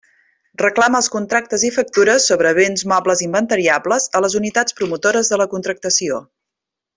Reclama els contractes i factures sobre béns mobles inventariables a les unitats promotores de la contractació.